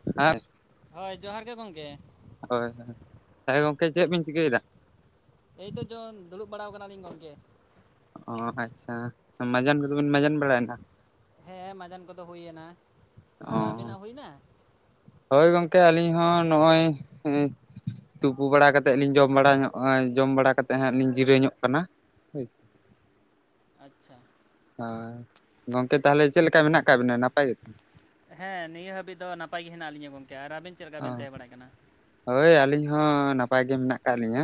[unintelligible] ᱦᱳᱭ ᱡᱚᱦᱟᱨ ᱜᱮ ᱜᱚᱝᱠᱮ᱾ ᱦᱳᱭ ᱦᱳᱭ [unintelligible] ᱜᱚᱝᱠᱮ ᱪᱮᱫ ᱵᱤᱱ ᱪᱤᱠᱟᱹᱭᱮᱫᱟ ᱦᱤᱛᱚᱜ ᱫᱚ ᱫᱩᱲᱩᱵ ᱵᱟᱲᱟᱣ ᱟᱠᱟᱱᱟᱞᱤᱧ ᱜᱚᱝᱠᱮ᱾ ᱚ ᱟᱪᱪᱷᱟ ᱢᱟᱡᱟᱱ ᱠᱚᱫᱚᱵᱤᱱ ᱢᱟᱡᱟᱱ ᱵᱟᱲᱟᱭᱟ ᱱᱟ? ᱦᱮᱸ ᱢᱟᱡᱟᱱ ᱠᱚᱫᱚ ᱦᱩᱭᱮᱱᱟ ᱚ ᱟᱨ ᱟᱵᱤᱱᱟᱜ ᱦᱩᱭᱱᱟ? ᱦᱳᱭ ᱜᱚᱝᱠᱮ ᱟᱹᱞᱤᱧ ᱦᱚᱸ ᱱᱚᱜᱼᱚᱭ ᱛᱩᱯᱩ ᱵᱟᱲᱟ ᱠᱟᱛᱮ ᱞᱤᱧ ᱡᱚᱢ ᱵᱟᱲᱟ ᱧᱚᱜᱼᱟ ᱡᱚᱢ ᱵᱟᱲᱟ ᱠᱟᱛᱮ ᱦᱟᱸᱜ ᱞᱤᱧ ᱡᱤᱨᱟᱹ ᱧᱚᱜ ᱠᱟᱱᱟ ᱾ [inaudible] ᱟᱪᱪᱷᱟ᱾ ᱦᱳᱭ ᱜᱚᱝᱠᱮ ᱛᱟᱦᱚᱞᱮ ᱪᱮᱫ ᱞᱮᱠᱟ ᱢᱮᱱᱟᱜ ᱟᱠᱟᱫ ᱵᱤᱱᱟ ᱱᱟᱯᱟᱭ ᱜᱮᱛᱚ? ᱦᱮᱸ ᱱᱤᱭᱟᱹ ᱦᱟᱹᱵᱤᱡ ᱫᱚ ᱱᱟᱯᱟᱭ ᱜᱮ ᱦᱮᱱᱟᱜ ᱞᱤᱧᱟᱹ ᱜᱚᱝᱠᱮ ᱟᱨ ᱟᱹᱵᱤᱱ ᱪᱮᱫ ᱞᱮᱠᱟ ᱵᱤᱱ ᱛᱟᱦᱮᱸ ᱵᱟᱲᱟᱜ ᱠᱟᱱᱟ? ᱦᱳᱭ ᱟᱹᱞᱤᱧ ᱦᱚᱸ ᱱᱟᱯᱟᱭ ᱜᱮ ᱢᱮᱱᱟᱜ ᱟᱠᱟᱫ ᱞᱤᱧᱟᱹ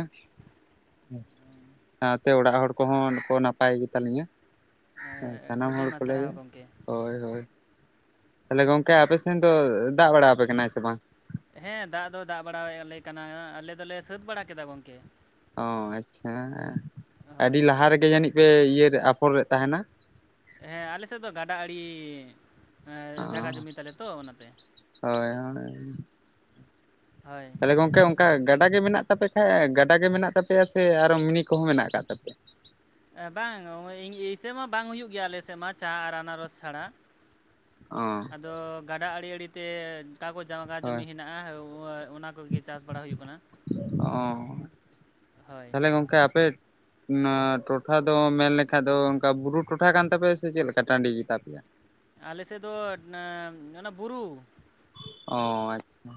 ᱥᱟᱶᱛᱮ ᱚᱲᱟᱜ ᱦᱚᱲ ᱠᱚᱦᱚᱸ ᱠᱚ ᱱᱟᱯᱟᱭ ᱜᱮᱛᱟᱞᱤᱧᱟ ᱮᱸ, ᱥᱟᱱᱟᱢ ᱟᱹᱰᱤ ᱦᱚᱲ ᱢᱟ ᱠᱚᱞᱮ ᱥᱟᱨᱦᱟᱣ ᱜᱚᱢᱠᱮ ᱦᱳᱭ ᱦᱳᱭ ᱛᱟᱦᱚᱞᱮ ᱜᱚᱝᱠᱮ ᱟᱯᱮ ᱥᱮᱱ ᱫᱚ ᱫᱟᱜ ᱵᱟᱲᱟᱣᱟᱯᱮ ᱠᱟᱱᱟᱭ ᱥᱮ ᱵᱟᱝ ᱦᱮᱸ ᱫᱟᱜ ᱫᱚ ᱫᱟᱜ ᱵᱟᱲᱟᱭᱟᱞᱮ ᱠᱟᱱᱟ ᱟᱞᱮ ᱫᱚᱞᱮ ᱥᱟᱹᱛ ᱵᱟᱲᱟ ᱠᱮᱫᱟ ᱜᱚᱝᱠᱮ ᱚᱻ ᱟᱪᱪᱷᱟ ᱟᱹᱰᱤ ᱦᱳᱭ ᱞᱟᱦᱟ ᱨᱮᱜᱮ ᱡᱟᱹᱱᱤᱡ ᱯᱮ ᱤᱭᱟᱹ ᱟᱯᱷᱚᱨ ᱨᱮ ᱛᱟᱦᱮᱱᱟ ᱦᱮᱸ ᱟᱞᱮᱥᱮᱫ ᱫᱚ ᱜᱟᱰᱟ ᱟᱲᱮ ᱚ ᱡᱟᱭᱜᱟ ᱡᱚᱢᱤ ᱛᱟᱞᱮ ᱛᱚ ᱚᱱᱟᱛᱮ ᱦᱳᱭ ᱦᱳᱭ ᱦᱳᱭ ᱛᱟᱦᱚᱞᱮ ᱜᱚᱝᱠᱮ ᱚᱱᱠᱟ ᱜᱟᱰᱟ ᱜᱮ ᱢᱮᱱᱟᱜ ᱛᱟᱯᱮ ᱠᱷᱟᱡ ᱜᱟᱰᱟ ᱜᱮ ᱢᱮᱱᱟᱜ ᱛᱟᱯᱮᱭᱟ ᱥᱮ ᱟᱨᱚ ᱢᱤᱱᱤ ᱠᱚᱦᱚᱸ ᱢᱮᱱᱟᱜ ᱟᱠᱟᱫ ᱛᱟᱯᱮᱭᱟ ᱵᱟᱝ ᱮᱭᱥᱮ ᱢᱟ ᱵᱟᱝ ᱦᱩᱭᱩᱜ ᱜᱮᱭᱟ ᱟᱞᱮ ᱥᱮᱫ ᱢᱟ ᱪᱟ ᱟᱨ ᱟᱱᱟᱨᱚᱥ ᱪᱷᱟᱲᱟ ᱚ ᱫᱚ ᱜᱟᱰᱟ ᱟᱲᱮ ᱟᱲᱮᱛᱮ ᱚᱠᱟ ᱠᱚ ᱡᱟᱣᱜᱟ ᱦᱳᱭ ᱡᱚᱢᱤ ᱢᱮᱱᱟᱜᱼᱟ ᱚᱱᱟ ᱠᱚᱜᱮ ᱪᱟᱥ ᱵᱟᱲᱟ ᱦᱩᱭᱩᱜ ᱠᱟᱱᱟ ᱚ ᱦᱳᱭ ᱛᱟᱦᱞᱮ ᱜᱚᱝᱠᱮ ᱟᱯᱮ ᱚᱱᱟ ᱴᱚᱴᱷᱟ ᱫᱚ ᱢᱮᱱᱞᱮᱠᱷᱟ ᱫᱚ ᱚᱱᱠᱟ ᱵᱩᱨᱩ ᱴᱚᱴᱷᱟ ᱠᱟᱱ ᱛᱟᱯᱮᱭᱟ ᱥᱮ ᱪᱮᱫᱞᱮᱠᱟ ᱴᱟᱺᱰᱤ ᱜᱮᱛᱟ ᱯᱮᱭᱟ ᱟᱞᱮ ᱥᱮᱫ ᱫᱚ ᱚᱱᱟ ᱵᱩᱨᱩ ᱚ ᱟᱪᱪᱷᱟ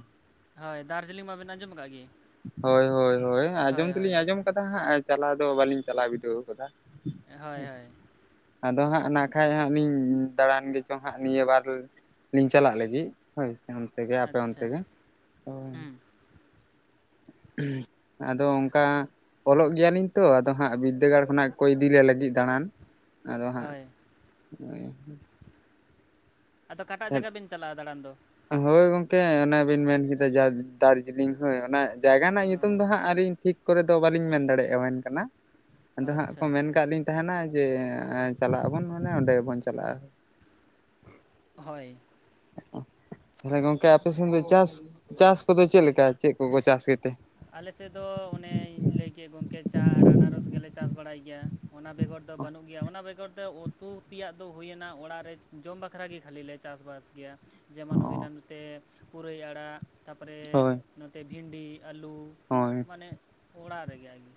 ᱦᱳᱭ ᱫᱟᱨᱡᱤᱞᱤᱝ ᱢᱟᱵᱤᱱ ᱟᱸᱡᱚᱢ ᱟᱠᱟᱫ ᱜᱮ ᱦᱳᱭ ᱦᱳᱭ ᱦᱳᱭ ᱟᱸᱡᱚᱢ ᱫᱚᱞᱤᱧ ᱟᱸᱡᱚᱢ ᱠᱟᱫᱟ ᱦᱟᱸᱜ ᱪᱟᱞᱟᱣ ᱫᱚ ᱵᱟᱹᱞᱤᱧ ᱪᱟᱞᱟᱣ ᱵᱤᱰᱟᱹᱣ ᱟᱠᱟᱫᱟ ᱦᱳᱭ ᱦᱳᱭ ᱟᱫᱚ ᱦᱟᱸᱜ ᱱᱟᱹᱠᱷᱟᱡ ᱦᱟᱸᱜ ᱞᱤᱧ ᱫᱟᱬᱟᱱ ᱜᱮᱪᱚ ᱦᱟᱸᱜ ᱱᱤᱭᱟᱹ ᱵᱟᱨ ᱞᱤᱧ ᱪᱟᱞᱟᱜ ᱞᱟᱹᱜᱤᱫ ᱦᱳᱭ ᱥᱮ ᱚᱱᱛᱮ ᱜᱮ ᱟᱯᱮ ᱟᱪᱪᱷᱟ ᱚᱱᱛᱮ ᱜᱮ ᱦᱳ ᱦᱩᱸ ᱟᱫᱚ ᱚᱱᱠᱟ ᱚᱞᱚᱜ ᱜᱮᱭᱟᱞᱤᱧ ᱛᱚ ᱟᱫᱚ ᱦᱟᱸᱜ ᱵᱤᱫᱽᱫᱟᱹᱜᱟᱲ ᱠᱷᱚᱱᱟᱜ ᱠᱚ ᱤᱫᱤ ᱞᱮ ᱞᱟᱹᱜᱤᱫ ᱠᱚ ᱫᱟᱬᱟᱱ ᱟᱫᱚ ᱦᱟᱸᱜ ᱦᱳᱭ ᱟᱫᱚ ᱚᱠᱟᱴᱟᱜ ᱡᱟᱭᱜᱟ ᱵᱮᱱ ᱪᱟᱞᱟᱜᱼᱟ ᱫᱟᱬᱟᱱ ᱫᱚ ᱦᱳᱭ ᱜᱚᱝᱠᱮ ᱚᱱᱮᱵᱤᱱ ᱢᱮᱱᱠᱟᱫᱟ ᱫᱟᱨᱡᱤᱞᱤᱝ ᱦᱳᱭ ᱚᱱᱟ ᱡᱟᱭᱜᱟ ᱨᱮᱱᱟᱜ ᱚ ᱧᱩᱛᱩᱢ ᱫᱚ ᱦᱟᱸᱜ ᱟᱹᱞᱤᱧ ᱴᱷᱤᱠ ᱠᱚᱨᱮ ᱫᱚ ᱵᱟᱹᱞᱤᱧ ᱢᱮᱱ ᱫᱟᱲᱮᱭᱟᱜᱼᱟ ᱢᱮᱱ ᱫᱷᱟᱬᱮᱣᱟᱵᱤᱱ ᱠᱟᱱᱟ ᱟᱫᱚ ᱦᱟᱸᱜ ᱠᱚ ᱟᱪᱪᱷᱟ ᱢᱮᱱ ᱠᱟᱜ ᱞᱤᱧ ᱛᱟᱦᱮᱱᱟ ᱡᱮ ᱪᱟᱞᱟᱜ ᱟᱵᱚᱱ ᱢᱟᱱᱮ ᱚᱸᱰᱮ ᱵᱚᱱ ᱪᱟᱞᱟᱜᱼᱟ ᱦᱳᱭ ᱛᱟᱦᱚᱞᱮ ᱜᱚᱝᱠᱮ ᱟᱯᱮ ᱥᱮᱱ ᱫᱚ ᱪᱟᱥ ᱪᱟᱥ ᱠᱚᱫᱚ ᱪᱮᱫᱞᱮᱠᱟ ᱪᱮᱫ ᱠᱚᱠᱚ ᱪᱟᱥ ᱜᱮᱛᱮ ᱟᱞᱮ ᱥᱮᱫ ᱫᱚ ᱚᱱᱮᱧ ᱞᱟᱹᱭ ᱠᱮᱫ ᱜᱚᱢᱠᱮ ᱪᱟ ᱟᱨ ᱟᱱᱟᱨᱚᱥ ᱜᱮᱞᱮ ᱪᱟᱥ ᱵᱟᱲᱟᱭ ᱜᱮᱭᱟ ᱚᱱᱟ ᱵᱮᱜᱚᱨ ᱫᱚ ᱵᱟᱹᱱᱩᱜ ᱜᱮᱭᱟ ᱚᱱᱟ ᱵᱮᱜᱚᱨ ᱫᱚ ᱩᱛᱩ ᱛᱮᱭᱟᱜ ᱫᱚ ᱦᱩᱭᱱᱟ ᱚᱲᱟᱜ ᱨᱮ ᱡᱚᱢ ᱵᱟᱠᱷᱨᱟ ᱜᱮ ᱠᱷᱟᱹᱞᱤ ᱞᱮ ᱪᱟᱥᱵᱟᱥ ᱜᱮᱭᱟ ᱡᱮᱢᱚᱱ ᱦᱩᱭᱱᱟ ᱱᱚᱛᱮ ᱯᱩᱨᱟᱹᱭ ᱟᱲᱟᱜ ᱛᱟᱯᱚᱨᱮ ᱦᱳᱭ ᱱᱚᱛᱮ ᱵᱷᱤᱱᱰᱤ ᱟᱹᱞᱩ ᱦᱳᱭ ᱢᱟᱱᱮ ᱚᱲᱟᱜ ᱨᱮᱜᱮ ᱟᱨᱠᱤ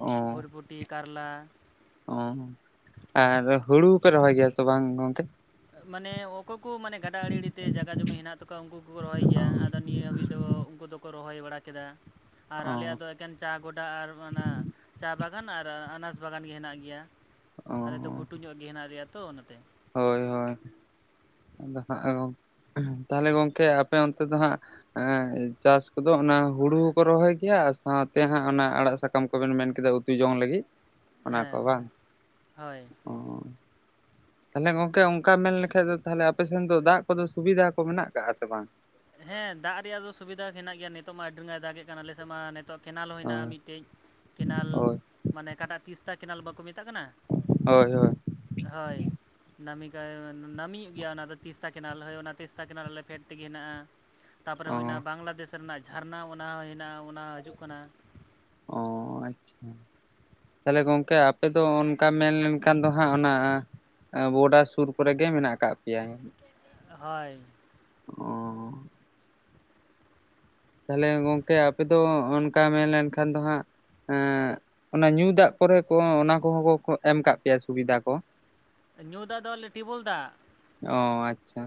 ᱚ ᱵᱷᱨᱵᱷᱩ ᱴᱤ ᱠᱟᱨᱞᱟ ᱚ ᱟᱨ ᱦᱩᱲᱩ ᱯᱮ ᱨᱚᱦᱚᱭ ᱜᱮᱭᱟ ᱛᱚ ᱵᱟᱝ ᱜᱚᱢᱠᱮ ᱢᱟᱱᱮ ᱚᱠᱚᱭ ᱠᱚ ᱢᱟᱱᱮ ᱜᱟᱰᱟ ᱟᱲᱮ ᱟᱲᱮᱛᱮ ᱡᱟᱜᱟ ᱡᱚᱢᱤ ᱦᱮᱱᱟᱜ ᱛᱟᱠᱚᱣᱟ ᱩᱱᱠᱩ ᱠᱚᱠᱚ ᱨᱚᱦᱚᱭ ᱜᱮᱭᱟ ᱟᱫᱚ ᱱᱤᱭᱟᱹ ᱦᱟᱹᱵᱤᱡ ᱫᱚ ᱩᱱᱠᱩ ᱫᱚᱠᱚ ᱨᱚᱦᱚᱭ ᱵᱟᱲᱟ ᱠᱮᱫᱟ ᱟᱨ ᱚ ᱟᱞᱮᱭᱟᱜ ᱫᱚ ᱚ ᱮᱠᱮᱱ ᱪᱟ ᱜᱚᱰᱟ ᱟᱨ ᱚᱱᱟ ᱪᱟ ᱵᱟᱜᱟᱱ ᱟᱨ ᱟᱱᱟᱨᱚᱥ ᱵᱟᱜᱟᱱ ᱜᱮ ᱦᱮᱱᱟᱜ ᱜᱮᱭᱟ ᱟᱞᱮ ᱫᱚ ᱚ ᱜᱷᱩᱴᱩ ᱧᱚᱜ ᱜᱮ ᱦᱮᱱᱟᱜ ᱞᱮᱭᱟ ᱛᱚ ᱚᱱᱟᱛᱮ ᱦᱳᱭ ᱦᱳᱭ ᱟᱫᱚ ᱦᱟᱸᱜ ᱛᱟᱦᱚᱞᱮ ᱜᱚᱢᱠᱮ ᱟᱯᱮ ᱚᱱᱛᱮ ᱫᱚ ᱦᱟᱸᱜ ᱪᱟᱥ ᱠᱚᱫᱚ ᱚᱱᱟ ᱦᱩᱲᱩ ᱦᱚᱸᱠᱚ ᱨᱚᱦᱚᱭ ᱜᱮᱭᱟ ᱟᱨ ᱥᱟᱣᱛᱮ ᱦᱟᱸᱜ ᱚᱱᱟ ᱟᱲᱟᱜ ᱥᱟᱠᱟᱢ ᱠᱚᱵᱮᱱ ᱢᱮᱱ ᱠᱮᱫᱟ ᱩᱛᱩ ᱡᱚᱝ ᱞᱟᱹᱜᱤᱫ ᱚᱱᱟ ᱠᱚ ᱦᱮᱸ ᱵᱟᱝ ᱦᱳᱭ ᱚ ᱛᱟᱦᱞᱮ ᱜᱚᱝᱠᱮ ᱚᱱᱠᱟ ᱢᱮᱱ ᱞᱮᱠᱷᱟ ᱫᱚ ᱛᱟᱦᱞᱮ ᱟᱯᱮ ᱥᱮᱱ ᱫᱚ ᱫᱟᱜ ᱠᱚᱫᱚ ᱥᱩᱵᱤᱫᱷᱟ ᱠᱚ ᱢᱮᱱᱟᱜ ᱟᱠᱟᱜᱼᱟ ᱥᱮ ᱵᱟᱝ ᱦᱮᱸ ᱫᱟᱜ ᱨᱮᱭᱟᱜ ᱫᱚ ᱥᱩᱵᱤᱫᱷᱟ ᱢᱮᱱᱟᱜ ᱜᱮᱭᱟ ᱱᱤᱛᱚᱜ ᱢᱟ ᱟᱹᱰᱤ ᱨᱟᱸᱜᱟᱣ ᱮ ᱫᱟᱜ ᱮᱫ ᱠᱟᱱᱟ ᱟᱞᱮ ᱥᱮᱫ ᱢᱟ ᱱᱤᱛᱳᱜ ᱠᱮᱱᱮᱞ ᱦᱚᱸ ᱦᱳᱭ ᱦᱮᱱᱟᱜᱼᱟ ᱢᱤᱫ ᱠᱟᱹᱡ ᱠᱮᱱᱮᱞ ᱦᱳᱭ ᱢᱟᱱᱮ ᱚᱠᱟᱴᱟᱜ ᱛᱤᱥᱛᱟ ᱠᱮᱱᱮᱞ ᱵᱟᱠᱚ ᱢᱮᱛᱟᱜ ᱠᱟᱱᱟ ᱦᱳᱭ ᱦᱳᱭ ᱦᱳᱭ ᱱᱟᱢᱤᱠᱟᱭ ᱱᱟᱹᱢᱤ ᱜᱮᱭᱟ ᱚᱱᱟ ᱫᱚ ᱛᱤᱥᱛᱟ ᱠᱮᱱᱟᱞ ᱦᱳᱭ ᱚᱱᱟ ᱛᱤᱥᱛᱟ ᱠᱮᱱᱞ ᱟᱞᱮ ᱯᱷᱮᱰ ᱛᱮᱜᱮ ᱦᱮᱱᱟᱜᱼᱟ ᱛᱟᱯᱚᱨᱮ ᱚ ᱦᱩᱭᱱᱟ ᱵᱟᱝᱞᱟᱫᱮᱥ ᱨᱮᱱᱟᱜ ᱡᱷᱟᱨᱱᱟ ᱚᱱᱟ ᱦᱚᱸ ᱦᱮᱱᱟᱜᱼᱟ ᱚᱱᱟ ᱦᱤᱡᱩᱜ ᱠᱟᱱᱟ ᱚ ᱟᱪᱪᱷᱟ ᱛᱟᱦᱞᱮ ᱜᱚᱢᱠᱮ ᱟᱯᱮ ᱫᱚ ᱚᱱᱠᱟ ᱢᱮᱱ ᱞᱮᱱᱠᱷᱟᱱ ᱫᱚ ᱦᱟᱸᱜ ᱚᱱᱟ ᱵᱚᱰᱟ ᱥᱩᱨ ᱠᱚᱨᱮ ᱜᱮ ᱢᱮᱱᱟᱜ ᱟᱠᱟᱫ ᱯᱮᱭᱟᱭ ᱦᱳᱭ ᱚ ᱛᱟᱦᱞᱮ ᱜᱚᱢᱠᱮ ᱟᱯᱮ ᱫᱚ ᱚᱱᱠᱟ ᱢᱮᱱ ᱞᱮᱱᱠᱷᱟᱱ ᱫᱚ ᱦᱟᱸᱜ ᱮᱸ ᱚᱱᱟ ᱧᱩ ᱫᱟᱜ ᱠᱚᱨᱮ ᱠᱚ ᱚᱱᱟ ᱠᱚᱦᱚᱸ ᱠᱚ ᱮᱢ ᱠᱟᱜ ᱯᱮᱭᱟ ᱥᱩᱵᱤᱫᱷᱟ ᱠᱚ ᱧᱩ ᱫᱟᱜ ᱫᱚ ᱟᱞᱮ ᱴᱤᱭᱵᱚᱞ ᱫᱟᱜ ᱚ ᱟᱪᱪᱷᱟ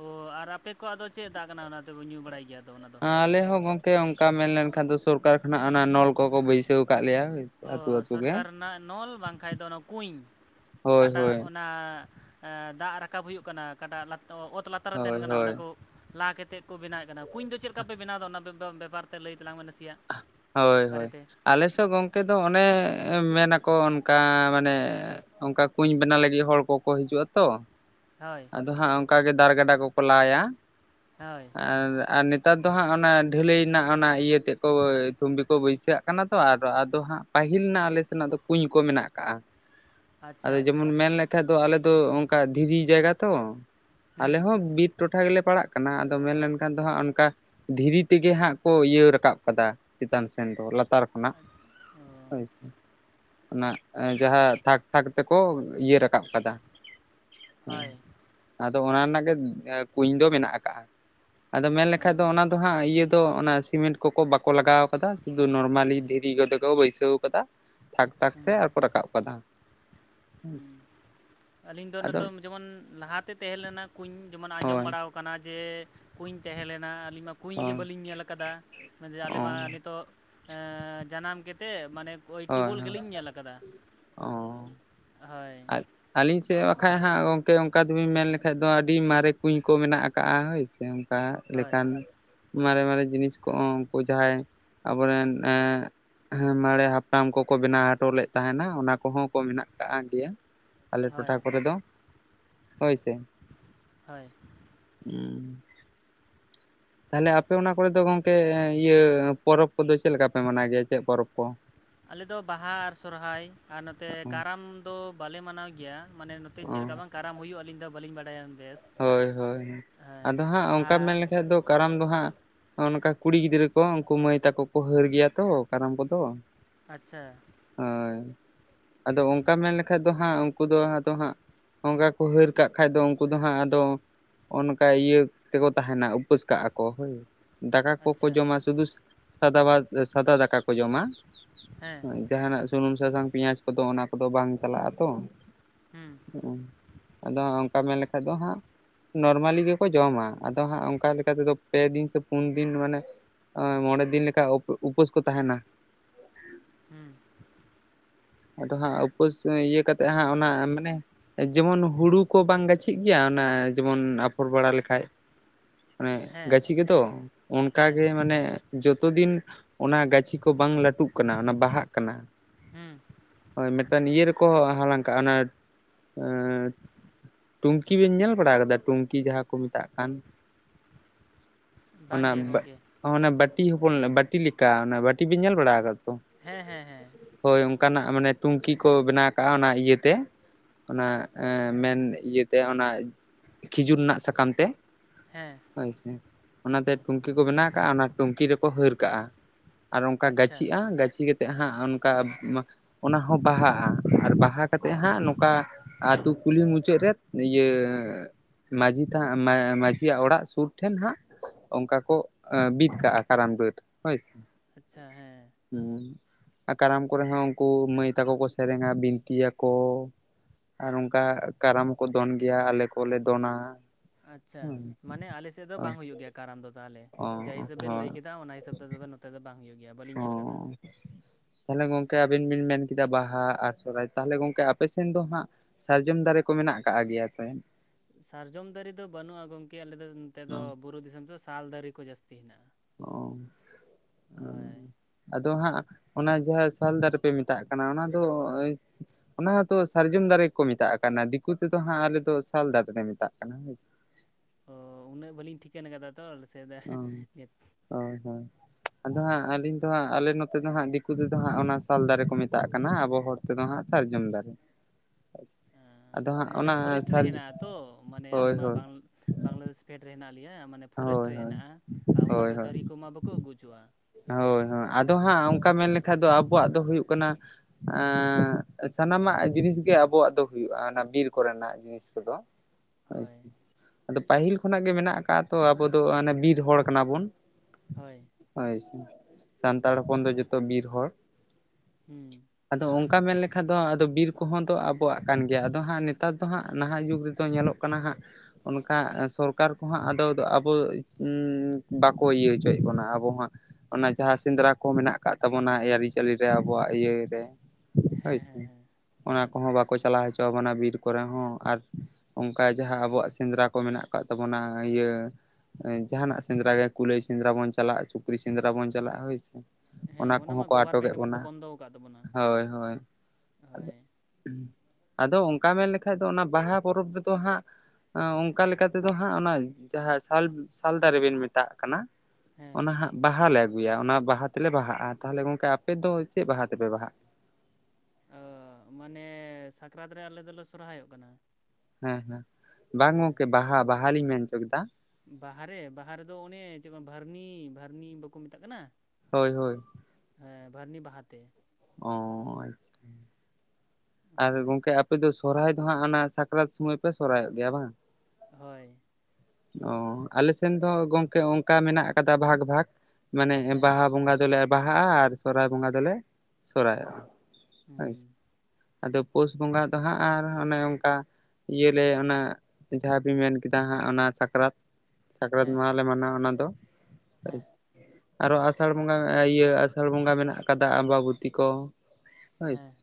ᱚ ᱟᱨ ᱟᱯᱮ ᱠᱚᱣᱟᱜ ᱫᱚ ᱪᱮᱫ ᱫᱟᱜ ᱠᱟᱱᱟ ᱚᱱᱟ ᱛᱮᱵᱚ ᱧᱩ ᱵᱟᱲᱟᱭ ᱜᱮᱭᱟᱫᱚ ᱚᱱᱟ ᱫᱚ ᱟᱞᱮ ᱦᱚᱸ ᱜᱚᱢᱠᱮ ᱚᱱᱠᱟ ᱢᱮᱱᱞᱮᱱᱠᱷᱟᱱ ᱫᱚ ᱥᱚᱨᱠᱟᱨ ᱠᱷᱚᱱᱟᱜ ᱚᱱᱟ ᱱᱚᱞ ᱠᱚᱠᱚ ᱵᱟᱹᱭᱥᱟᱹᱣ ᱟᱠᱟᱫ ᱞᱮᱭᱟ ᱚ ᱟᱹᱛᱩ ᱟᱹᱛᱩ ᱜᱮ ᱥᱚᱨᱠᱟᱨ ᱨᱮᱱᱟᱜ ᱱᱚᱞ ᱵᱟᱝᱠᱷᱟᱱ ᱫᱚ ᱚᱱᱟ ᱠᱩᱧ ᱦᱳᱭ ᱚᱴᱟᱜ ᱦᱳᱭ ᱚᱱᱟ ᱮᱸ ᱫᱟᱜ ᱨᱟᱠᱟᱵ ᱦᱩᱭᱩᱜ ᱠᱟᱱᱟ ᱚᱠᱟᱴᱟᱜ ᱞᱟᱛ ᱚᱛ ᱞᱟᱛᱟᱨ ᱨᱮ ᱛᱟᱦᱮᱱ ᱦᱳᱭ ᱠᱟᱱᱟ ᱦᱳᱭ ᱚᱱᱟ ᱠᱚ ᱞᱟ ᱠᱟᱛᱮᱫ ᱠᱚ ᱵᱮᱱᱟᱣᱮᱫ ᱠᱟᱱᱟ ᱠᱩᱸᱧ ᱫᱚ ᱪᱮᱫ ᱞᱮᱠᱟ ᱯᱮ ᱵᱮᱱᱟᱣ ᱫᱟ ᱚᱱᱟ ᱵᱮᱯᱟᱨ ᱛᱮ ᱞᱟᱹᱭ ᱛᱟᱞᱟᱝ ᱢᱮ ᱱᱟᱥᱮᱭᱟᱜ ᱦᱳᱭ ᱦᱳᱭ ᱵᱟᱨᱮᱛᱮ ᱟᱞᱮᱥᱮᱫ ᱜᱚᱢᱠᱮ ᱫᱚ ᱚᱱᱮ ᱢᱮᱱᱟᱠᱚ ᱚᱱᱠᱟ ᱢᱟᱱᱮ ᱚᱱᱠᱟ ᱠᱩᱧ ᱵᱮᱱᱟᱣ ᱞᱟᱹᱜᱤᱫ ᱦᱚᱲ ᱠᱚᱠᱚ ᱦᱤᱡᱩᱜᱼᱟ ᱛᱚ ᱦᱳᱭ ᱟᱫᱚ ᱦᱟᱸᱜ ᱚᱱᱠᱟᱟᱜ ᱜᱮ ᱫᱟᱨ ᱜᱟᱰᱟ ᱠᱚᱠᱚ ᱞᱟᱭᱟ ᱦᱳᱭ ᱟᱨ ᱟᱨ ᱱᱮᱛᱟᱨ ᱫᱚ ᱦᱟᱸᱜ ᱚᱱᱟ ᱰᱷᱟᱹᱞᱟᱹᱭ ᱨᱮᱱᱟᱜ ᱚᱱᱟ ᱤᱭᱟᱹ ᱛᱮᱫ ᱛᱷᱩᱢᱵᱤ ᱠᱚ ᱵᱟᱹᱭᱥᱟᱹᱟᱜ ᱠᱟᱱᱟ ᱛᱚ ᱟᱨ ᱟᱫᱚ ᱦᱟᱸᱜ ᱯᱟᱹᱦᱤᱞ ᱨᱮᱱᱟᱜ ᱟᱞᱮ ᱥᱮᱱᱟᱜ ᱫᱚ ᱠᱩᱧ ᱠᱚ ᱢᱮᱱᱟᱜ ᱠᱟᱜᱼᱟ ᱟᱫᱚ ᱟᱪᱪᱷᱟ ᱡᱮᱢᱚᱱ ᱢᱮᱱ ᱞᱮᱠᱷᱟᱡ ᱫᱚ ᱟᱞᱮ ᱫᱚ ᱚᱱᱠᱟ ᱫᱷᱤᱨᱤ ᱡᱟᱭᱜᱟ ᱛᱚ ᱟᱞᱮ ᱦᱩᱸ ᱦᱚᱸ ᱵᱤᱫ ᱴᱚᱴᱷᱟ ᱜᱮᱞᱮ ᱯᱟᱲᱟᱜ ᱠᱟᱱᱟ ᱟᱫᱚ ᱢᱮᱱᱞᱱᱠᱷᱟᱱ ᱫᱚ ᱦᱟᱸᱜ ᱚᱱᱠᱟ ᱫᱷᱤᱨᱤ ᱛᱮᱜᱮ ᱦᱟᱸᱜ ᱠᱚ ᱤᱭᱟᱹ ᱨᱟᱠᱟᱵ ᱪᱮᱛᱟᱱ ᱥᱮᱱ ᱫᱚ ᱞᱟᱛᱟᱨ ᱠᱷᱚᱱᱟᱜ ᱚ ᱦᱳᱭ ᱚᱱᱟ ᱡᱟᱦᱟᱸ ᱛᱷᱟᱠ ᱛᱷᱟᱠ ᱛᱮᱠᱚ ᱤᱭᱟᱹ ᱨᱟᱠᱟᱵ ᱠᱟᱫᱟ ᱦᱮᱸ ᱦᱳᱭ ᱟᱫᱚ ᱚᱱᱟ ᱨᱮᱱᱟᱜ ᱜᱮ ᱠᱩᱧ ᱫᱚ ᱢᱮᱱᱟᱜ ᱟᱠᱟᱜᱼᱟ ᱟᱫᱚ ᱚ ᱢᱮᱱᱞᱠᱷᱟᱡ ᱫᱚ ᱚᱱᱟ ᱫᱚ ᱦᱟᱸᱜ ᱤᱭᱟᱹ ᱫᱚ ᱚᱱᱟ ᱥᱤᱢᱮᱱᱴ ᱠᱚᱠᱚ ᱵᱟᱠᱚ ᱞᱟᱜᱟᱣ ᱠᱟᱫᱟ ᱥᱩᱫᱩ ᱱᱚᱨᱢᱟᱞᱤ ᱫᱷᱤᱨᱤ ᱠᱚᱛᱮ ᱠᱚ ᱵᱟᱹᱭᱥᱟᱹᱣ ᱠᱟᱫᱟ ᱛᱷᱟᱠ ᱛᱷᱟᱠ ᱦᱩᱸ ᱛᱮ ᱟᱨ ᱠᱚ ᱨᱟᱠᱟᱵ ᱠᱟᱫᱟ, ᱦᱮᱸ ᱦᱩᱸ ᱟᱹᱞᱤᱧ ᱫᱚ ᱟᱫᱚ ᱱᱤᱛᱚᱜ ᱡᱮᱢᱚᱱ ᱞᱟᱦᱟᱛᱮ ᱛᱟᱦᱮᱸ ᱞᱮᱱᱟ ᱠᱩᱧ ᱡᱮᱢᱚᱱ ᱟᱸᱡᱚᱢ ᱦᱳᱭ ᱵᱟᱲᱟ ᱟᱠᱟᱱᱟ ᱡᱮ ᱠᱩᱧ ᱛᱟᱦᱮᱸ ᱞᱮᱱᱟ ᱟᱹᱞᱤᱧ ᱢᱟ ᱠᱩᱧ ᱜᱮ ᱦᱳᱭ ᱵᱟᱹᱞᱤᱧ ᱧᱮᱞ ᱠᱟᱫᱟ ᱡᱮ ᱟᱞᱮ ᱚ ᱢᱟ ᱱᱤᱛᱚᱜ ᱡᱟᱱᱟᱢ ᱠᱮᱛᱮ ᱢᱟᱱᱮ ᱳᱭ ᱦᱳᱭ ᱴᱤᱭᱩᱵᱚᱞ ᱦᱳᱭ ᱜᱮᱞᱤᱧ ᱧᱮᱞ ᱠᱟᱫᱟ ᱚ ᱦᱳᱭ ᱟᱨ ᱟᱹᱞᱤᱧ ᱥᱮᱫ ᱵᱟᱠᱷᱟᱡ ᱦᱟᱸᱜ ᱜᱚᱝᱠᱮ ᱚᱱᱠᱟ ᱛᱮᱵᱤᱱ ᱢᱮᱱ ᱞᱮᱠᱷᱟᱡ ᱫᱚ ᱟᱹᱰᱤ ᱢᱟᱨᱮ ᱠᱩᱧ ᱠᱚ ᱢᱮᱱᱟᱜ ᱟᱠᱟᱜᱼᱟ ᱦᱳᱭ ᱥᱮ ᱚᱠᱟ ᱦᱳᱭ ᱞᱮᱠᱟᱱ ᱢᱟᱨᱮ ᱢᱟᱨᱮ ᱡᱤᱱᱤᱥ ᱠᱚᱦᱚᱸ ᱩᱱᱠᱩ ᱡᱟᱦᱟᱸᱭ ᱟᱵᱚᱨᱮᱱ ᱮ ᱦᱮᱸ ᱢᱟᱨᱮ ᱦᱟᱯᱲᱟᱢ ᱠᱚᱠᱚ ᱵᱮᱱᱟᱣ ᱦᱚᱴᱚ ᱞᱮᱫ ᱛᱟᱦᱮᱸᱱᱟ ᱚᱱᱟ ᱠᱚᱦᱚᱸ ᱠᱚ ᱢᱮᱱᱟᱜ ᱟᱠᱟᱜ ᱜᱮᱭᱟ ᱟᱞᱮ ᱴᱚᱴᱷᱟ ᱦᱳᱭ ᱠᱚᱨᱮ ᱫᱚ ᱦᱳᱭ ᱥᱮ ᱦᱳᱭ [inaudible] ᱛᱟᱦᱞᱮ ᱟᱯᱮ ᱚᱱᱟ ᱠᱚᱨᱮ ᱫᱚ ᱜᱚᱝᱠᱮ ᱤᱭᱟᱹ ᱯᱚᱨᱚᱵᱽ ᱠᱚᱫᱚ ᱪᱮᱫ ᱞᱮᱠᱟ ᱯᱮ ᱢᱟᱱᱟᱣ ᱜᱮᱭᱟ ᱪᱮᱫ ᱯᱚᱨᱚᱵᱽ ᱠᱚ ᱟᱞᱮ ᱫᱚ ᱵᱟᱦᱟ ᱟᱨ ᱥᱚᱦᱨᱟᱭ ᱟᱨ ᱱᱚᱛᱮ ᱠᱟᱨᱟᱢ ᱫᱚ ᱵᱟᱞᱮ ᱢᱟᱱᱟᱣ ᱜᱮᱭᱟ ᱢᱟᱱᱮ ᱛᱮ ᱚ ᱪᱮᱫ ᱞᱮᱠᱟ ᱵᱟᱝ ᱠᱟᱨᱟᱢ ᱦᱩᱭᱩᱜᱼᱟ ᱟᱹᱞᱤᱧ ᱫᱚ ᱵᱟᱞᱤᱧ ᱵᱟᱰᱟᱭᱟ ᱵᱮᱥ ᱦᱳᱭ ᱦᱳᱭ ᱦᱮᱸ ᱟᱫᱚ ᱦᱟᱸᱜ ᱚᱱᱠᱟ ᱟᱨ ᱢᱮᱱ ᱞᱮᱠᱷᱟᱡ ᱫᱚ ᱠᱟᱨᱟᱢ ᱫᱚ ᱦᱟᱸᱜ ᱚᱱᱠᱟ ᱠᱩᱲᱤ ᱜᱤᱫᱽᱨᱟᱹ ᱠᱚ ᱩᱱᱠᱩ ᱢᱟᱹᱭ ᱛᱟᱠᱚ ᱠᱚ ᱦᱟᱹᱨ ᱜᱮᱭᱟ ᱛᱚ ᱠᱟᱨᱟᱢ ᱠᱚᱫᱚ ᱟᱪᱪᱷᱟ ᱦᱳᱭ ᱟᱫᱚ ᱦᱩᱸ ᱚᱱᱠᱟ ᱢᱮᱱᱠᱷᱟᱱ ᱠᱷᱟᱱ ᱫᱚ ᱦᱟᱸᱜ ᱩᱱᱠᱩ ᱫᱚ ᱟᱫᱚ ᱦᱟᱸᱜ ᱚᱱᱠᱟ ᱠᱚ ᱦᱟᱹᱨ ᱠᱟᱜ ᱠᱷᱟᱡ ᱫᱚ ᱩᱱᱠᱩ ᱫᱚ ᱦᱟᱸᱜ ᱟᱫᱚ ᱚᱱᱠᱟ ᱤᱭᱟᱹ ᱛᱮᱠᱚ ᱛᱟᱦᱮᱱᱟ ᱩᱯᱟᱹᱥ ᱠᱟᱜᱼᱟ ᱠᱚ ᱦᱳᱭ ᱫᱟᱠᱟ ᱠᱚᱠᱚ ᱟᱪᱪᱷᱟ ᱡᱚᱢᱟ ᱥᱩᱫᱩ ᱥᱟᱫᱟ ᱵᱟ ᱥᱟᱫᱟ ᱫᱟᱠᱟ ᱠᱚ ᱡᱚᱢᱟ ᱦᱮᱸ ᱡᱟᱦᱟᱱᱟᱜ ᱥᱩᱱᱩᱢ ᱥᱟᱥᱟᱝ ᱯᱤᱸᱭᱟᱪ ᱠᱚᱫᱚ ᱚᱱᱟ ᱠᱚᱫᱚ ᱵᱟᱝ ᱪᱟᱞᱟᱜᱼᱟ ᱛᱚ ᱦᱩᱸ [unintelligible] ᱟᱫᱚ ᱦᱟᱸᱜ ᱚᱱᱠᱟ ᱢᱮᱱ ᱞᱮᱠᱷᱟ ᱫᱚ ᱦᱟᱸᱜ ᱱᱚᱨᱢᱟᱞᱤ ᱜᱮᱠᱚ ᱡᱚᱢᱟ ᱟᱫᱚ ᱦᱟᱸᱜ ᱚᱱᱠᱟ ᱞᱮᱠᱟ ᱛᱮᱫᱚ ᱯᱮ ᱫᱤᱱ ᱥᱮ ᱯᱩᱱ ᱫᱤᱱ ᱢᱟᱱᱮ ᱢᱚᱬᱮ ᱫᱤᱱ ᱞᱮᱠᱟ ᱩᱯᱟᱹᱥ ᱠᱚ ᱛᱟᱦᱮᱱᱟ ᱦᱩᱸ ᱟᱫᱚ ᱦᱟᱸᱜ ᱩᱯᱟᱹᱥ ᱤᱭᱟᱹ ᱠᱟᱛᱮᱫ ᱦᱟᱸᱜ ᱚᱱᱟ ᱢᱟᱱᱮ ᱡᱮᱢᱚᱱ ᱦᱩᱲᱩ ᱠᱚ ᱵᱟᱝ ᱜᱟᱪᱷᱤ ᱜᱮᱭᱟ ᱚᱱᱟ ᱡᱮᱢᱚᱱ ᱟᱯᱷᱚᱨ ᱵᱟᱲᱟ ᱞᱮᱠᱷᱟ ᱢᱟᱱᱮ ᱦᱮᱸ ᱜᱟᱹᱪᱷᱤ ᱜᱮᱛᱚ ᱚᱱᱠᱟ ᱦᱮᱸ ᱜᱮ ᱢᱟᱱᱮ ᱡᱚᱛᱚ ᱫᱤᱱ ᱚᱱᱟ ᱜᱟᱹᱪᱷᱤ ᱠᱚ ᱵᱟᱝ ᱞᱟᱹᱴᱩᱜ ᱠᱟᱱᱟ ᱚᱱᱟ ᱵᱟᱦᱟᱜ ᱠᱟᱱᱟ ᱦᱩᱸ ᱦᱳᱭ ᱢᱤᱫᱴᱟᱱ ᱤᱭᱟᱹ ᱨᱮᱠᱚ ᱦᱟᱞᱟᱝ ᱠᱟᱜᱼᱟ ᱚᱱᱟ ᱴᱩᱝᱠᱤ ᱵᱮᱱ ᱧᱮᱞ ᱵᱟᱲᱟ ᱟᱠᱟᱫᱟ ᱴᱩᱝᱠᱤ ᱡᱟᱦᱟᱸ ᱠᱚ ᱢᱮᱛᱟᱜ ᱠᱟᱱ ᱵᱟᱝ ᱚᱱᱟ ᱜᱮ ᱵᱟᱹ- ᱜᱚᱢᱠᱮ ᱚᱱᱟ ᱵᱟᱴᱤ ᱦᱚᱯᱚᱱ ᱵᱟᱴᱤ ᱞᱮᱠᱟ ᱚᱱᱟ ᱵᱟᱴᱤ ᱵᱤᱱ ᱧᱮᱞ ᱵᱟᱲᱟ ᱟᱠᱟᱫ ᱛᱚ ᱦᱮᱸ ᱦᱮᱸ ᱦᱮᱸ ᱦᱳᱭ ᱚᱱᱠᱟᱱᱟᱜ ᱢᱟᱱᱮ ᱴᱩᱝᱠᱤ ᱠᱚ ᱵᱮᱱᱟᱣ ᱠᱟᱜᱼᱟ ᱚᱱᱟ ᱤᱭᱟᱹᱛᱮ ᱚᱱᱟ ᱢᱮᱱ ᱤᱭᱟᱹ ᱛᱮ ᱚᱱᱟ ᱠᱷᱤᱡᱩᱨ ᱨᱮᱱᱟᱜ ᱥᱟᱠᱟᱢ ᱛᱮ ᱦᱮᱸ ᱦᱳᱭ ᱥᱮ ᱚᱱᱟᱛᱮ ᱴᱩᱝᱠᱤ ᱠᱚ ᱵᱮᱱᱟᱣ ᱠᱟᱜᱼᱟ ᱚᱱᱟ ᱴᱩᱝᱠᱤ ᱨᱮᱠᱚ ᱦᱟᱹᱨ ᱠᱟᱜᱼᱟ ᱟᱨ ᱚᱱᱠᱟ ᱟᱪᱪᱷᱟ ᱜᱟᱹᱪᱷᱤᱜᱼᱟ ᱜᱟᱹᱪᱷᱤ ᱠᱟᱛᱮᱫ ᱦᱟᱸᱜ ᱚᱱᱠᱟ ᱚᱱᱟ ᱦᱚᱸ ᱵᱟᱦᱟᱜᱼᱟ ᱟᱨ ᱵᱟᱦᱟ ᱠᱟᱛᱮᱫ ᱦᱟᱸᱜ ᱱᱚᱝᱠᱟ ᱟᱹᱛᱩ ᱠᱩᱞᱦᱤ ᱢᱩᱪᱟᱹᱫ ᱨᱮ ᱤᱭᱟᱹ ᱢᱟᱺᱡᱷᱤ ᱛᱷᱟ ᱢᱟᱺᱡᱷᱤᱭᱟᱜ ᱚᱲᱟᱜ ᱥᱩᱨ ᱴᱷᱮᱱ ᱦᱟᱸᱜ ᱚᱱᱠᱟ ᱠᱚ ᱵᱤᱫ ᱠᱟᱜᱼᱟ ᱠᱟᱨᱟᱢ ᱰᱟᱹᱨ ᱦᱳᱭᱥᱮ ᱟᱪᱪᱷᱟ ᱦᱮᱸ ᱟᱨ ᱠᱟᱨᱟᱢ ᱠᱚᱨᱮ ᱦᱚᱸ ᱩᱱᱠᱩ ᱢᱟᱹᱭ ᱛᱟᱠᱚ ᱠᱚ ᱥᱮᱨᱮᱧᱟ ᱵᱤᱱᱛᱤᱭᱟᱠᱚ ᱟᱨ ᱚᱱᱠᱟ ᱠᱟᱨᱟᱢ ᱠᱚ ᱫᱚᱱ ᱜᱮᱭᱟ ᱟᱞᱮ ᱠᱚᱞᱮ ᱫᱚᱱᱟ ᱟᱪᱪᱷᱟ ᱦᱮᱸ ᱢᱟᱱᱮ ᱟᱞᱮᱥᱮᱫ ᱫᱚ ᱵᱟᱝ ᱦᱩᱭᱩᱜ ᱜᱮᱭᱟ ᱠᱟᱨᱟᱢ ᱫᱚ ᱛᱟᱦᱚᱞᱮ ᱚ ᱦᱳᱭ ᱡᱟ ᱦᱤᱥᱟᱹᱵ ᱵᱮᱱ ᱞᱟᱹᱭ ᱠᱮᱫᱟ ᱚᱱᱟ ᱦᱤᱥᱟᱹᱵᱽ ᱫᱚ ᱱᱚᱛᱮ ᱫᱚ ᱵᱟᱝ ᱦᱩᱭᱩᱜ ᱜᱮᱭᱟ ᱵᱟᱞᱤᱹᱧ ᱚ ᱧᱮᱞ ᱟᱠᱟᱫᱟ ᱛᱟᱦᱚᱞᱮ ᱜᱚᱝᱠᱮ ᱟᱵᱤᱱ ᱵᱤᱱ ᱢᱮᱱ ᱠᱮᱫᱟ ᱵᱟᱦᱟ ᱟᱨ ᱥᱚᱨᱦᱟᱭ ᱛᱟᱦᱞᱮ ᱜᱚᱝᱠᱮ ᱟᱯᱮ ᱥᱮᱱ ᱫᱚ ᱦᱟᱸᱜ ᱥᱟᱨᱡᱚᱢ ᱫᱟᱨᱮ ᱠᱚ ᱢᱮᱱᱟᱜ ᱟᱠᱟᱜ ᱜᱮᱭᱟ ᱛᱚ ᱥᱟᱨᱡᱚᱢ ᱫᱟᱨᱮ ᱫᱚ ᱵᱟᱹᱱᱩᱜᱼᱟ ᱜᱚᱢᱠᱮ ᱟᱞᱮ ᱫᱚ ᱱᱚᱛᱮ ᱫᱚ ᱵᱩᱨᱩ ᱫᱤᱥᱚᱢ ᱫᱚ ᱥᱟᱞ ᱫᱟᱨᱮ ᱠᱚ ᱡᱟᱹᱥᱛᱤ ᱦᱮᱱᱟᱜᱼᱟ ᱚ ᱦᱳᱭ ᱟᱢ ᱟᱫᱚ ᱦᱟᱸᱜ ᱚᱱᱟ ᱡᱟᱦᱟᱸ ᱥᱟᱞ ᱫᱟᱨᱮ ᱯᱮ ᱢᱮᱛᱟᱜ ᱠᱟᱱᱟ ᱚᱱᱟ ᱫᱚ ᱚᱱᱟ ᱦᱚᱸᱛᱚ ᱥᱟᱨᱡᱚᱢ ᱫᱟᱨᱮ ᱜᱮᱠᱚ ᱢᱮᱛᱟᱜ ᱠᱟᱱᱟ ᱫᱤᱠᱩ ᱛᱮᱫᱚ ᱦᱟᱸᱜ ᱟᱞᱮ ᱫᱚ ᱥᱟᱞ ᱫᱟᱨᱮ ᱞᱮ ᱢᱮᱛᱟᱜ ᱠᱟᱱᱟ ᱦᱳᱭ ᱾ ᱚ ᱩᱱᱟᱹᱜ ᱵᱟᱹᱞᱤᱧ ᱴᱷᱤᱠᱟᱹᱱ ᱠᱟᱫᱟ ᱛᱚ [unintelligible] ᱦᱳ ᱦᱳᱭ ᱾ ᱟᱫᱚ ᱦᱟᱸᱜ ᱟᱹᱞᱤᱧ ᱫᱚ ᱦᱟᱸᱜ ᱟᱞᱮ ᱱᱚᱛᱮ ᱫᱚ ᱦᱟᱸᱜ ᱫᱤᱠᱩ ᱛᱮᱫᱚ ᱦᱟᱸᱜ ᱚᱱᱟ ᱥᱟᱞ ᱫᱟᱨᱮ ᱠᱚ ᱢᱮᱛᱟᱜ ᱠᱟᱱᱟ ᱟᱵᱚ ᱦᱚᱲ ᱱᱮᱛᱮ ᱫᱚ ᱦᱟᱸᱜ ᱥᱟᱨᱡᱚᱢ ᱫᱟᱨᱮ ᱾ ᱢᱟᱱᱮ ᱯᱷᱚᱨᱮᱥᱴ ᱨᱮ ᱥᱟᱨᱡᱚᱢ ᱦᱮᱱᱟᱜᱼᱟ ᱛᱚ ᱢᱟᱱᱮ ᱟᱞᱮ ᱦᱳᱭ ᱢᱟ ᱦᱳᱭ ᱵᱟᱝ ᱵᱟᱝᱞᱟᱫᱮᱥ ᱯᱷᱮᱰ ᱨᱮ ᱦᱮᱱᱟᱜ ᱞᱮᱭᱟ ᱢᱟᱱᱮ ᱯᱷᱚᱨᱮᱥᱴ ᱦᱳᱭ ᱨᱮ ᱦᱳᱭ ᱦᱮᱱᱟᱜᱼᱟ ᱟᱨ ᱚᱱᱟ ᱦᱳᱭ ᱠᱚ ᱦᱳᱭ ᱫᱟᱨᱮ ᱠᱚᱢᱟ ᱵᱟᱠᱚ ᱟᱹᱜᱩ ᱦᱚᱪᱚᱣᱟ ᱾ ᱦᱳᱭ ᱦᱳᱭ ᱟᱫᱚ ᱦᱟᱸᱜ ᱚᱱᱠᱟ ᱢᱮᱱ ᱞᱮᱠᱷᱟᱱ ᱫᱚ ᱟᱵᱚᱣᱟᱜ ᱫᱚ ᱦᱩᱭᱩᱜ ᱠᱟᱱᱟ ᱮᱸ ᱥᱟᱱᱟᱢᱟᱜ ᱡᱤᱱᱤᱥ ᱜᱮ ᱟᱵᱚᱣᱟᱜ ᱫᱚ ᱦᱩᱭᱩᱜᱼᱟ ᱚᱱᱟ ᱵᱤᱨ ᱠᱚᱨᱮᱱᱟᱜᱼᱜᱮ ᱾ ᱡᱤᱱᱤᱥ ᱠᱚᱫᱚ ᱦᱳᱭ [unintelligible] ᱟᱫᱚ ᱯᱟᱹᱦᱤᱞ ᱠᱷᱚᱱᱟᱜ ᱜᱮ ᱢᱮᱱᱟᱜ ᱠᱟᱜᱼᱟ ᱛᱚ ᱟᱵᱚ ᱫᱚ ᱚᱱᱮ ᱵᱤᱨ ᱦᱚᱲ ᱠᱟᱱᱟ ᱵᱚᱱ ᱦᱳᱭ ᱦᱳᱭ ᱥᱮ ᱥᱟᱱᱛᱟᱲ ᱦᱚᱯᱚᱱ ᱫᱚ ᱡᱚᱛᱚ ᱵᱤᱨ ᱦᱚᱲ ᱾ ᱦᱩᱸ ᱟᱫᱚ ᱚᱱᱠᱟ ᱢᱮᱱ ᱞᱮᱠᱷᱟᱱ ᱫᱚ ᱟᱫᱚ ᱵᱤᱨ ᱠᱚᱦᱚᱸ ᱫᱚ ᱟᱵᱚᱣᱟᱜ ᱠᱟᱱ ᱜᱮᱭᱟ ᱟᱫᱚ ᱦᱟᱸᱜ ᱱᱮᱛᱟᱨ ᱫᱚ ᱦᱟᱸᱜ ᱱᱟᱦᱟᱜ ᱡᱩᱜᱽ ᱨᱮᱫᱚ ᱧᱮᱞᱚᱜ ᱠᱟᱱᱟ ᱠᱟᱱᱟ ᱦᱟᱸᱜ ᱚᱱᱠᱟ ᱥᱚᱨᱠᱟᱨ ᱠᱚᱦᱟᱸᱜ ᱟᱫᱚ ᱟᱵᱚ ᱵᱟᱠᱚ ᱤᱭᱟᱹ ᱦᱚᱪᱚᱭᱮᱫ ᱵᱚᱱᱟ ᱟᱵᱚ ᱦᱚᱸᱜ ᱚᱱᱟ ᱡᱟᱦᱟᱸ ᱥᱮᱸᱫᱽᱨᱟ ᱠᱚ ᱢᱮᱱᱟᱜ ᱟᱠᱟᱫ ᱛᱟᱵᱚᱱᱟ ᱟᱹᱨᱤᱪᱟᱹᱞᱤ ᱨᱮ ᱟᱵᱚᱣᱟᱜ ᱤᱭᱟᱹᱭ ᱨᱮ ᱾ ᱦᱮᱸ ᱦᱳᱭ ᱥᱮ ᱦᱮᱸ ᱦᱮᱸ ᱚᱱᱟ ᱠᱚ ᱦᱚᱸ ᱵᱟᱠᱚ ᱪᱟᱞᱟᱣ ᱦᱚᱪᱚ ᱟᱵᱚᱱᱟ ᱵᱤᱨ ᱠᱚᱨᱮ ᱦᱚᱸ ᱟᱨ ᱚᱱᱠᱟ ᱡᱟᱦᱟᱸ ᱟᱵᱚᱣᱟᱜ ᱥᱮᱸᱫᱽᱨᱟ ᱠᱚ ᱢᱮᱱᱟᱜ ᱟᱠᱟᱫ ᱛᱟᱵᱚᱱᱟ ᱤᱭᱟᱹ ᱡᱟᱦᱟᱸᱱᱟᱜ ᱥᱮᱸᱫᱽᱨᱟ ᱜᱮ ᱠᱩᱞᱟᱹᱭ ᱥᱮᱸᱫᱽᱨᱟ ᱵᱚᱱ ᱪᱟᱞᱟᱜᱼᱟ, ᱥᱩᱠᱨᱤ ᱥᱮᱸᱫᱽᱨᱟ ᱵᱚᱱ ᱪᱟᱞᱟᱜᱼᱟ ᱦᱳᱭ ᱥᱮ ᱦᱮᱸ ᱚᱱᱟ ᱢᱟ ᱠᱚᱦᱚᱸ ᱠᱚ ᱟᱴᱚᱠᱮᱫ ᱜᱚᱵᱷᱚᱨᱢᱮᱱᱴ ᱢᱟᱠᱚ ᱵᱚᱱᱟ ᱵᱚᱱᱫᱚ ᱟᱠᱟᱫ ᱛᱟᱵᱚᱱᱟ ᱦᱳᱭ ᱦᱳᱭ ᱟᱫᱚ ᱦᱳᱭ ᱟᱫᱚ ᱚᱱᱠᱟ ᱢᱮᱱ ᱞᱮᱠᱷᱟᱱ ᱫᱚ ᱚᱱᱟ ᱵᱟᱦᱟ ᱯᱚᱨᱚᱵᱽ ᱨᱮᱫᱚ ᱦᱟᱸᱜ ᱚᱱᱠᱟ ᱞᱮᱠᱟ ᱛᱮᱫᱚ ᱦᱟᱸᱜ ᱚᱱᱟ ᱡᱟᱦᱟᱸ ᱥᱟᱞ ᱥᱟᱞ ᱫᱟᱨᱮ ᱵᱤᱱ ᱢᱮᱛᱟᱜ ᱠᱟᱱᱟ ᱦᱮᱸ ᱚᱱᱟ ᱦᱟᱸᱜ ᱵᱟᱦᱟ ᱞᱮ ᱟᱹᱜᱩᱭᱟ ᱚᱱᱟ ᱵᱟᱦᱟ ᱛᱮᱞᱮ ᱵᱟᱦᱟᱜᱼᱟ ᱛᱟᱦᱚᱞᱮ ᱜᱚᱝᱠᱮ ᱟᱯᱮ ᱫᱚ ᱪᱮᱫ ᱵᱟᱦᱟ ᱛᱮᱯᱮ ᱵᱟᱦᱟᱜᱼᱟ? ᱚ ᱢᱟᱱᱮ ᱥᱟᱠᱨᱟᱛ ᱨᱮ ᱟᱞᱮ ᱫᱚᱞᱮ ᱥᱚᱨᱦᱟᱭᱚᱜ ᱠᱟᱱᱟ ᱾ ᱦᱮᱸ ᱦᱮᱸ ᱵᱟᱝ ᱜᱚᱝᱠᱮ ᱵᱟᱦᱟ ᱵᱟᱦᱟ ᱞᱤᱧ ᱢᱮᱱ ᱚᱪᱚ ᱠᱮᱫᱟ ᱾ ᱵᱟᱦᱟ ᱨᱮ ᱵᱟᱦᱟ ᱨᱮ ᱫᱚ ᱚᱱᱮ ᱪᱮᱫ ᱠᱚ ᱢᱮᱱ ᱵᱷᱟᱨᱱᱤ ᱵᱷᱟᱨᱱᱤ ᱵᱟᱠᱚ ᱢᱮᱛᱟᱜ ᱠᱟᱱᱟ ᱦᱳᱭ ᱦᱳᱭ ᱾ ᱦᱮᱸ ᱵᱷᱟᱨᱱᱤ ᱵᱟᱦᱟ ᱛᱮ ᱾ ᱚ ᱟᱪᱪᱷᱟ ᱾ ᱟᱨ ᱦᱳᱭ ᱜᱚᱝᱠᱮ ᱟᱯᱮ ᱫᱚ ᱥᱚᱨᱦᱟᱭ ᱫᱚ ᱦᱟᱸᱜ ᱚᱱᱟ ᱥᱟᱠᱨᱟᱛ ᱥᱚᱢᱚᱭ ᱯᱮ ᱥᱚᱨᱦᱟᱭᱚᱜ ᱜᱮᱭᱟ ᱵᱟᱝ? ᱦᱳᱭ ᱾ ᱚ ᱟᱞᱮ ᱥᱮᱱ ᱫᱚ ᱜᱚᱝᱠᱮ ᱚᱱᱠᱟ ᱢᱮᱱᱟᱜ ᱟᱠᱟᱫᱟ ᱵᱷᱟᱜᱽ ᱵᱷᱟᱜᱽ ᱢᱟᱱᱮ ᱦᱮᱸ ᱵᱟᱦᱟ ᱵᱚᱸᱜᱟ ᱫᱚᱞᱮ ᱵᱟᱦᱟᱜᱼᱟ ᱟᱨ ᱥᱚᱨᱦᱟᱭ ᱵᱚᱸᱜᱟ ᱫᱚᱞᱮ ᱥᱚᱨᱦᱟᱭᱚᱜᱼᱟ ᱾ ᱦᱳᱭ ᱦᱩᱸ ᱟᱫᱚ ᱯᱩᱥ ᱵᱚᱸᱜᱟ ᱫᱚ ᱦᱟᱸᱜ ᱟᱨ ᱚᱱᱮ ᱚᱱᱠᱟ ᱤᱭᱟᱹ ᱞᱮ ᱚᱱᱟ ᱡᱟᱦᱟᱸ ᱵᱤᱱ ᱢᱮᱱ ᱠᱮᱫᱟ ᱦᱟᱸᱜ ᱚᱱᱟ ᱥᱟᱠᱨᱟᱛ ᱥᱟᱠᱨᱟᱛ ᱦᱮᱸ ᱢᱟᱦᱟᱞᱮ ᱢᱟᱱᱟᱣᱟ ᱚᱱᱟ ᱫᱚ ᱾ ᱦᱮᱸ ᱟᱨ ᱦᱚᱸ ᱟᱥᱟᱲ ᱵᱚᱸᱜᱟ ᱤᱭᱟᱹ ᱟᱥᱟᱲ ᱵᱚᱸᱜᱟ ᱢᱮᱱᱟᱜ ᱟᱠᱟᱫᱟ ᱟᱸᱵᱟᱵᱚᱛᱤ ᱠᱚ ᱾ ᱦᱮᱸ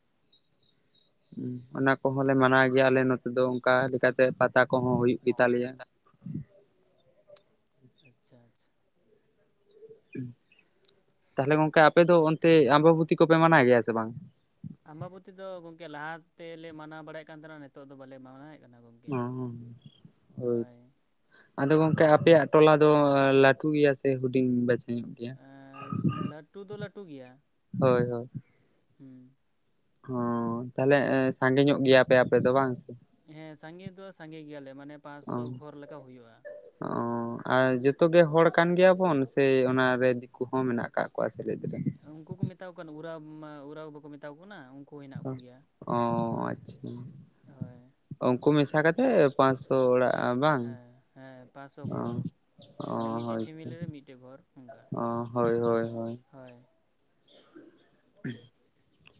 ᱚᱱᱟ ᱠᱚᱦᱚᱸ ᱞᱮ ᱢᱟᱱᱟᱣ ᱜᱮᱭᱟ ᱟᱞᱮ ᱱᱚᱛᱮ ᱫᱚ ᱚᱱᱠᱟ ᱞᱮᱠᱟ ᱛᱮ ᱯᱟᱛᱟ ᱠᱚᱦᱚᱸ ᱦᱩᱭᱩᱜ ᱦᱩᱭᱩᱜ ᱜᱮᱛᱟᱞᱮᱭᱟ ᱜᱮᱛᱟ ᱟᱪᱪᱷᱟ ᱟᱪᱪᱷᱟ ᱾ ᱛᱟᱦᱚᱞᱮ ᱜᱚᱢᱠᱮ ᱟᱯᱮ ᱫᱚ ᱚᱱᱛᱮ ᱟᱸᱵᱟᱵᱚᱛᱤ ᱠᱚᱯᱮ ᱢᱟᱱᱟᱣ ᱜᱮᱭᱟ ᱥᱮ ᱵᱟᱝ? ᱟᱸᱵᱟᱵᱚᱛᱤ ᱫᱚ ᱜᱚᱝᱠᱮ ᱞᱟᱦᱟ ᱛᱮᱞᱮ ᱢᱟᱱᱟᱣ ᱵᱟᱲᱟᱭᱮᱫ ᱠᱟᱱ ᱛᱟᱸᱦᱮᱱᱟ ᱱᱤᱛᱚᱜ ᱫᱚ ᱵᱟᱞᱮ ᱢᱟᱱᱟᱣᱮᱫ ᱠᱟᱱᱟ ᱜᱚᱢᱠᱮ ᱦᱚᱸ ᱦᱚᱸ ᱦᱳᱭ ᱾ ᱟᱫᱚ ᱜᱚᱢᱠᱮ ᱟᱯᱮᱭᱟᱜ ᱴᱚᱞᱟ ᱫᱚ ᱞᱟᱹᱴᱷᱩ ᱜᱮᱭᱟ ᱥᱮ ᱦᱩᱰᱤᱧ [unintelligible] ᱮᱸ ᱞᱟᱹᱴᱷᱩ ᱫᱚ ᱞᱟᱹᱴᱷᱩ ᱜᱮᱭᱟ ᱾ ᱦᱳᱭ ᱦᱳᱭ ᱾ ᱦᱩᱸ ᱦᱸ ᱛᱟᱦᱚᱞᱮ ᱥᱟᱸᱜᱮ ᱧᱚᱜ ᱜᱮᱭᱟᱯᱮ ᱟᱯᱮ ᱫᱚ ᱵᱟᱝ ᱦᱮᱸ ᱥᱟᱸᱜᱮ ᱫᱚ ᱥᱟᱸᱜᱮ ᱜᱮᱭᱟᱞᱮ ᱢᱟᱱᱮ ᱚ ᱯᱟᱸᱥᱚ ᱜᱷᱚᱨ ᱞᱮᱠᱟ ᱦᱩᱭᱩᱜᱼᱟ ᱚ ᱟᱨ ᱡᱚᱛᱚ ᱜᱮ ᱦᱚᱲ ᱠᱟᱱ ᱜᱮᱭᱟᱵᱚᱱ ᱥᱮ ᱚᱱᱟᱨᱮ ᱫᱤᱠᱩ ᱦᱚᱸ ᱢᱮᱱᱟᱜ ᱟᱠᱟᱟᱜ ᱠᱚᱣᱟ [unintelligible] ᱩᱱᱠᱩ ᱠᱚ ᱢᱮᱛᱟ ᱠᱚ ᱠᱟᱱ ᱩᱨᱟᱣ ᱢᱟ ᱩᱨᱟᱣ ᱵᱟᱠᱚ ᱢᱮᱛᱟᱣᱟ ᱠᱚ ᱠᱟᱱᱟ ᱩᱱ- ᱠᱩ ᱦᱮᱱᱟᱜ ᱠᱚᱜᱮᱭᱟ, ᱚ ᱟᱪᱪᱷᱟ ᱦᱳᱣ ᱩᱱᱠᱩ ᱢᱮᱥᱟ ᱠᱟᱛᱮᱜ ᱯᱟᱸᱥᱳ ᱚᱲᱟᱜ ᱵᱟᱝ ᱦᱮᱸ ᱦᱮᱸ ᱯᱟᱸᱪᱥᱚ ᱚ ᱜᱷᱚᱨ ᱚ ᱢᱟᱱᱮ ᱢᱤᱫᱴᱮᱡ ᱦᱳᱭᱛᱚ ᱯᱷᱮᱢᱮᱞᱤ ᱨᱮ ᱢᱤᱫᱴᱮᱡ ᱜᱷᱚᱨ ᱚᱱᱠᱟ ᱚ ᱦᱳᱭ ᱦᱳᱭ ᱦᱳᱭ ᱾ ᱦᱳᱭ [unintelligible]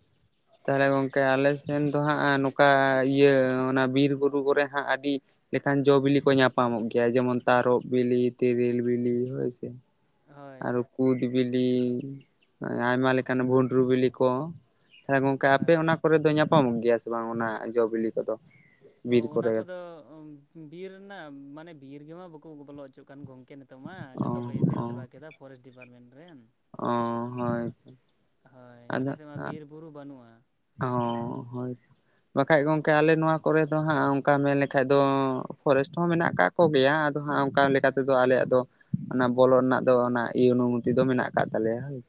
ᱛᱟᱦᱚᱞᱮ ᱜᱚᱢᱠᱮ ᱟᱞᱮ ᱥᱮᱱ ᱫᱚ ᱦᱟᱸᱜ ᱱᱚᱝᱠᱟ ᱤᱭᱟᱹ ᱚᱱᱟ ᱵᱤᱨᱵᱩᱨᱩ ᱠᱚᱨᱮ ᱦᱟᱸᱜ ᱟᱹᱰᱤ ᱞᱮᱠᱷᱟᱱ ᱡᱚᱼ ᱵᱤᱞᱤ ᱠᱚ ᱧᱟᱯᱟᱢᱚᱜ ᱜᱮᱭᱟ ᱡᱮᱢᱚᱱ ᱛᱟᱨᱚᱵ ᱵᱤᱞᱤ ᱛᱤᱨᱤᱞ ᱵᱤᱞᱤ ᱦᱳᱭ ᱥᱮ ᱦᱳᱭ ᱟᱨᱚ ᱠᱩᱫ ᱵᱤᱞᱤ ᱟᱭᱢᱟᱞᱮᱠᱱᱟᱜ ᱵᱩᱸᱰᱨᱩ ᱵᱤᱞᱤ ᱠᱚ ᱛᱟᱦᱮ ᱜᱚᱝᱠᱮ ᱟᱯᱮ ᱦᱳᱭ ᱚᱱᱟ ᱠᱚᱨᱮ ᱫᱚ ᱧᱟᱯᱟᱢᱚᱜ ᱜᱮᱭᱟ ᱥᱮ ᱵᱟᱝ ᱚᱱᱟ ᱡᱚᱼ ᱵᱤᱞᱤ ᱠᱚᱫᱚ ᱚ ᱵᱤᱨ ᱚᱱᱟ ᱠᱚᱨᱮ ᱠᱚᱫᱚ ᱵᱤᱨ ᱨᱮᱱᱟᱜ ᱢᱟᱱᱮ ᱵᱤᱨ ᱜᱮᱢᱟ ᱵᱟᱠᱚ ᱵᱚᱞᱚ ᱦᱚᱪᱚᱜ ᱠᱟᱱ ᱜᱚᱝᱠᱮ ᱱᱮᱛᱚᱜ ᱱᱤᱛᱚᱜ ᱢᱟ ᱚ ᱡᱚᱛᱚ ᱠᱚ ᱮᱥᱮᱫ ᱪᱟᱵᱟ ᱠᱮᱫᱟ ᱯᱷᱚᱨᱮᱥᱴ ᱰᱤᱯᱟᱨᱢᱮᱱᱴ ᱨᱮᱱ ᱚᱸ ᱦᱳᱭ ᱦᱳᱭ ᱟᱫᱚ ᱟᱞᱮ ᱥᱮᱫ ᱢᱟ ᱵᱤᱨ ᱵᱩᱨᱩ ᱵᱟᱹᱱᱩᱜᱼᱟ ᱦᱚᱸ ᱦᱳᱭ ᱵᱟᱠᱷᱟᱡ ᱜᱚᱝᱠᱮ ᱟᱞᱮ ᱱᱚᱣᱟ ᱠᱚᱨᱮ ᱫᱚ ᱦᱟᱸᱜ ᱚᱱᱠᱟ ᱢᱮᱱ ᱞᱮᱠᱷᱟᱡ ᱫᱚ ᱯᱷᱚᱨᱮᱥᱴ ᱦᱚᱸ ᱢᱮᱱᱟᱜ ᱠᱟᱜ ᱠᱚᱜᱮᱭᱟ ᱟᱫᱚ ᱦᱟᱸᱜ ᱚᱱᱠᱟ ᱞᱮᱠᱟ ᱛᱮᱫᱚ ᱟᱞᱮᱭᱟᱜ ᱫᱚ ᱚᱱᱟ ᱵᱚᱞᱚ ᱨᱮᱱᱟᱜ ᱫᱚ ᱚᱱᱟ ᱚᱱᱩᱢᱚᱛᱤ ᱫᱚ ᱢᱮᱱᱟᱜ ᱠᱟᱜ ᱛᱟᱞᱮᱭᱟ ᱦ